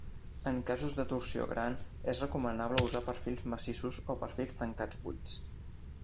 En casos de torsió gran és recomanable usar perfils massissos o perfils tancats buits.